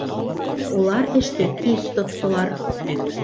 Улар эште тиҙ тоттолар.